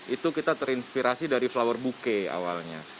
itu kita terinspirasi dari flower booke awalnya